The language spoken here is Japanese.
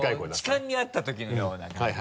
痴漢に遭ったときのような感じで。